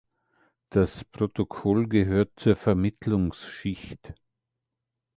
Das Protokoll gehört zur Vermittlungsschicht.